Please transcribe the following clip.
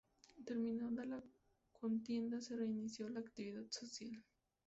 Terminada la contienda se reinició la actividad social.